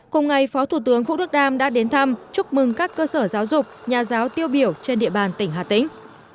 cùng ngày phó thủ tướng vũ đức đam đã đến thăm chúc mừng các cơ sở giáo dục nhà giáo tiêu biểu trên địa bàn tỉnh hà tĩnh